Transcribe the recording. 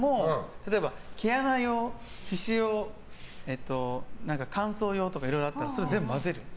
例えば毛穴用、皮脂用乾燥用とかいろいろあったら全部、混ぜる。